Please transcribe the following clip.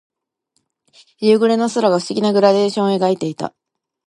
夕暮れの空が不思議なグラデーションを描いていた。